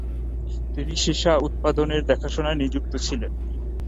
তিনি সীসা উৎপাদনের দেখাশোনায় নিযুক্ত ছিলেন।